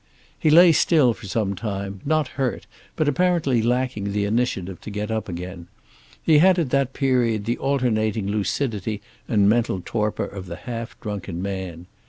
He lay still for some time; not hurt but apparently lacking the initiative to get up again. He had at that period the alternating lucidity and mental torpor of the half drunken man.